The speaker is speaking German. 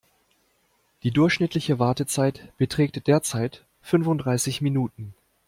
Die durchschnittliche Wartezeit beträgt derzeit fünfunddreißig Minuten.